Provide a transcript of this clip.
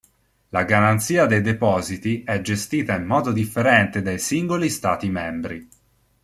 La garanzia dei depositi è gestita in modo differente dai singoli Stati membri.